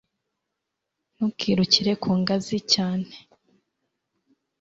Ntukirukire ku ngazi cyane